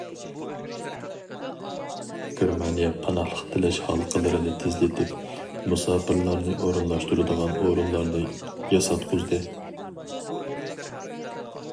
گېرمانىيە پاناھلىق تىلەش ھالقىلىرىنى تېزلىتىپ، مۇساپىرلارنى ئورۇنلاشتۇرىدىغان ئورۇنلارنى ياساتقۇزدى.